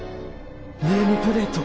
ネームプレート！